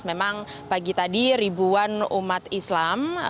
memang pagi tadi ribuan umat islam